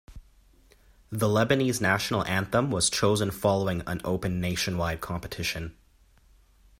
The Lebanese national anthem was chosen following an open nationwide competition.